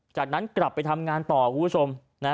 จากนั้นกลับไปทำงานต่อคุณผู้ชม